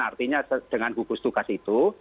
artinya dengan gugus tugas itu